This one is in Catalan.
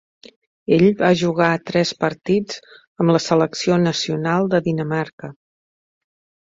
Ell va jugar tres partits amb la selecció nacional de Dinamarca.